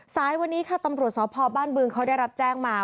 สายวันนี้ค่ะตำรวจสพบ้านบึงเขาได้รับแจ้งมา